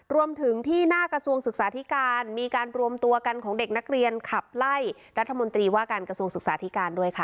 รวมถึงที่หน้ากระทรวงศึกษาธิการมีการรวมตัวกันของเด็กนักเรียนขับไล่รัฐมนตรีว่าการกระทรวงศึกษาธิการด้วยค่ะ